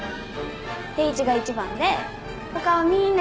貞一が一番で他はみんな横並び。